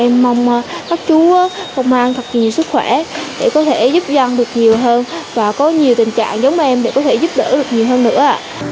em mong các chú công an thật nhiều sức khỏe để có thể giúp dân được nhiều hơn và có nhiều tình trạng giống em để có thể giúp đỡ được nhiều hơn nữa